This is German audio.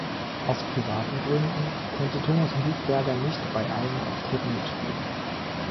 Aus privaten Gründen konnte Thomas Buchberger nicht bei allen Auftritten mitspielen.